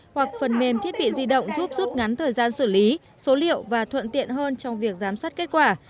hoặc phần mềm thiết bị di động giúp rút ngắn thời gian xử lý số liệu và thuận tiện hơn trong việc giám sát kết quả